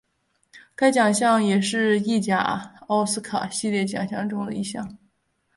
该奖项也是意甲奥斯卡系列奖项中的一项。